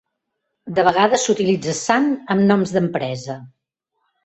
De vegades s'utilitza "san" amb noms d'empresa.